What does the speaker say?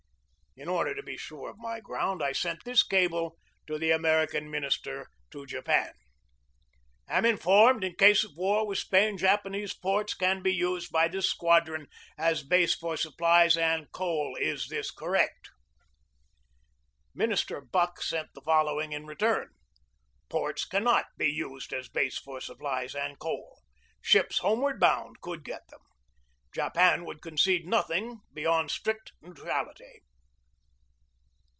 In order to be sure of my ground, I sent this cable to the American minister to Japan: "Am informed, in case of war with Spain, Japanese ports can be used by this squadron as base for supplies and coal. Is this correct?" Minister Buck sent the following FINAL PREPARATIONS FOR WAR 191 in return: "Ports cannot be used as base for sup plies and coal. Ships homeward bound could get them. Japan would concede nothing beyond strict neutrality."